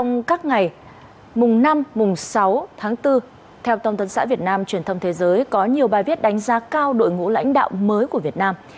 năm sáu tháng bốn theo tổng thân xã việt nam truyền thông thế giới có nhiều bài viết đánh giá cao đội ngũ lãnh đạo mới của việt nam